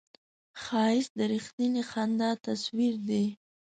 ښایست د رښتینې خندا تصویر دی